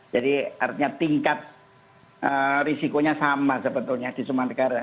jadi artinya tingkat risikonya sama sebetulnya di semua negara